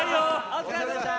お疲れさまでした！